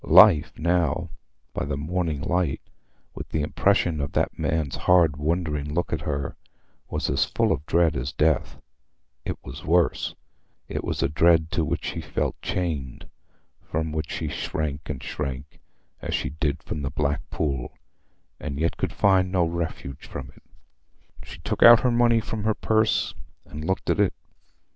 Life now, by the morning light, with the impression of that man's hard wondering look at her, was as full of dread as death—it was worse; it was a dread to which she felt chained, from which she shrank and shrank as she did from the black pool, and yet could find no refuge from it. She took out her money from her purse, and looked at it.